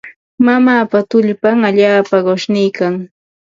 Mamaapa tullpan allaapa qushniikan.